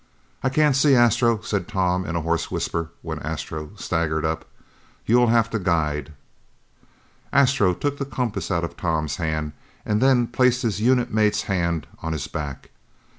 "I can't see, Astro," said Tom in a hoarse whisper when Astro staggered up. "You'll have to guide." Astro took the compass out of Tom's hand and then placed his unit mate's hand on his back.